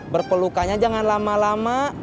berpelukannya jangan lama lama